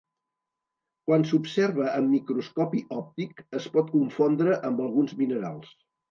Quan s'observa amb microscopi òptic es pot confondre amb alguns minerals.